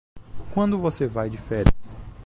Quando você vai de férias?